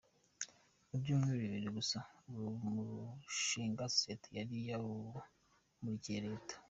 Mu byumweru bibiri gusa uwo mushinga sosiyete yari yawumurikiye Leta.